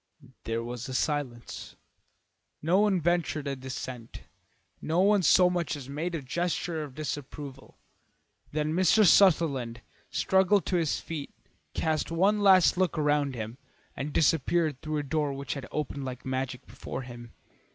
There was a silence; no one ventured a dissent, no one so much as made a gesture of disapproval. Then Mr. Sutherland struggled to his feet, cast one last look around him, and disappeared through a door which had opened like magic before him.